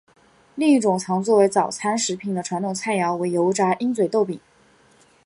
另一种常作为早餐食品的传统菜肴为油炸鹰嘴豆饼。